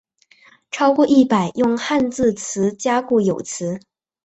超过一百用汉字词加固有词。